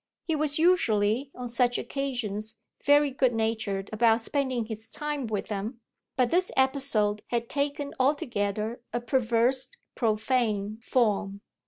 He was usually, on such occasions, very good natured about spending his time with them; but this episode had taken altogether a perverse, profane form.